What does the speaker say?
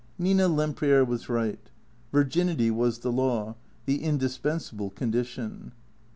Nina Lempriere was right. Virginity was the law, the indis pensable condition.